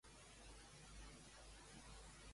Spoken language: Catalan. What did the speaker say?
I en quines obres de Javier Daulte ha participat?